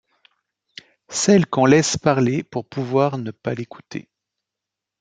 Celle qu’on laisse parler pour pouvoir ne pas l’écouter.